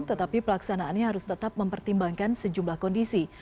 tetapi pelaksanaannya harus tetap mempertimbangkan sejumlah kondisi